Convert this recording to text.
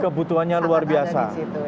kebutuhannya luar biasa